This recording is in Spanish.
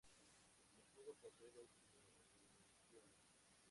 El escudo posee dos divisiones.